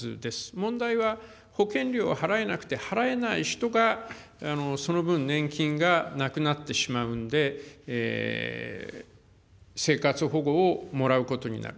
問題は保険料を払えなくて、払えない人が、その分、年金がなくなってしまうんで、生活保護をもらうことになる。